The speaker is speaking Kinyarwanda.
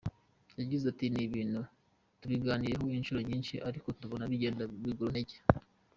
Yagize ati “Ibi bintu tubiganiriyeho inshuro nyinshi ariko tubona bigenda biguru ntege.